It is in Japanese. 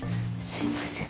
すいません。